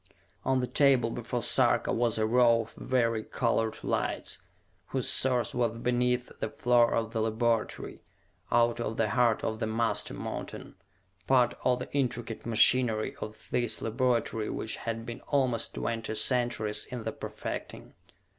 On the table before Sarka was a row of vari colored lights, whose source was beneath the floor of the laboratory, out of the heart of the master mountain, part of the intricate machinery of this laboratory which had been almost twenty centuries in the perfecting.